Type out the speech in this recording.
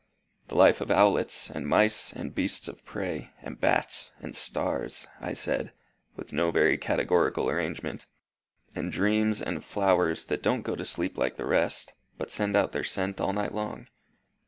The life of owlets, and mice, and beasts of prey, and bats, and stars," I said, with no very categorical arrangement, "and dreams, and flowers that don't go to sleep like the rest, but send out their scent all night long.